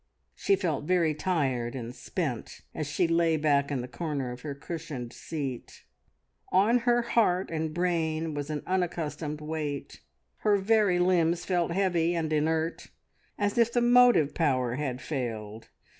She felt very tired and spent as she lay back in the corner of her cushioned seat. On heart and brain was an unaccustomed weight; her very limbs felt heavy and inert, as if the motive power had failed.